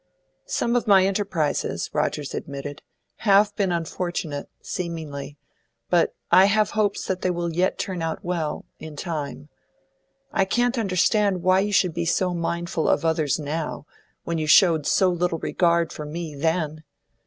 "Some of my enterprises," Rogers admitted, "have been unfortunate, seemingly; but I have hopes that they will yet turn out well in time. I can't understand why you should be so mindful of others now, when you showed so little regard for me then.